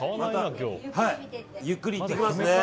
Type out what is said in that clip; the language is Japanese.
ゆっくり見てきますね。